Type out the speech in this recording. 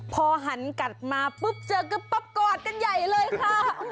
พอหันกัดมาปุ๊บเจอก็กอดกันใหญ่เลยค่ะ